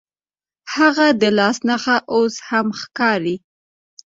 هغه د لاس نښه اوس هم ښکاري.